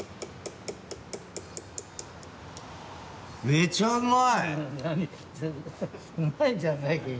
めちゃうまい！